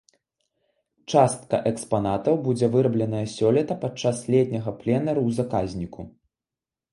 Частка экспанатаў будзе вырабленая сёлета падчас летняга пленэру ў заказніку.